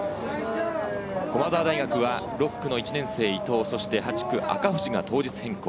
駒澤大学は６区の１年生・伊藤、そして８区・赤星が当日変更。